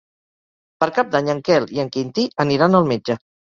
Per Cap d'Any en Quel i en Quintí aniran al metge.